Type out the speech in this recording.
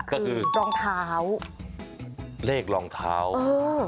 ก็คือรองเท้าเลขรองเท้าเออ